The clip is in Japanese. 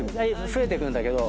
増えてくんだけど。